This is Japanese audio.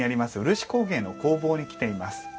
漆工芸の工房に来ています。